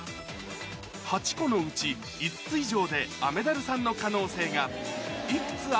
８個のうち５つ以上で雨ダルさんの可能性が。